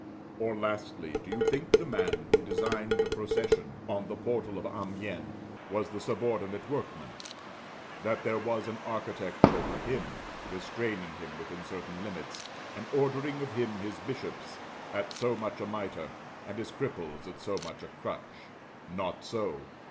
Or, lastly, do you think the man who designed the procession on the portal of Amiens was the subordinate workman? that there was an architect over him, restraining him within certain limits, and ordering of him his bishops at so much a mitre, and his cripples at so much a crutch? Not so.